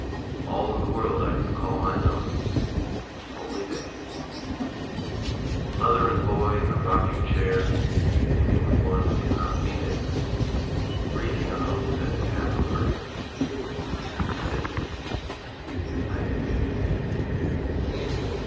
All in the world I can call my own, Only they. Mother and boy in the rocking chair, Thinking of one who cannot be there, Breathing a hope that is half a prayer; Night and day, night and day.